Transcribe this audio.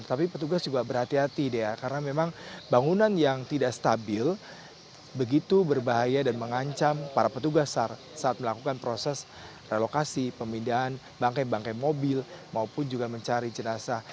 tapi petugas juga berhati hati dea karena memang bangunan yang tidak stabil begitu berbahaya dan mengancam para petugas saat melakukan proses relokasi pemindahan bangkai bangkai mobil maupun juga mencari jenazah